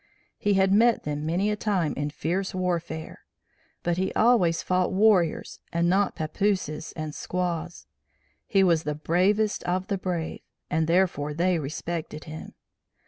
He had met them many a time in fierce warfare, but he always fought warriors and not papooses and squaws. He was the bravest of the brave and therefore they respected him.